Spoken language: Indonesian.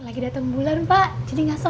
lagi datang bulan pak jadi nggak solar